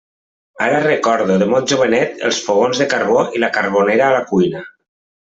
Encara recordo, de molt jovenet, els fogons de carbó i la carbonera a la cuina.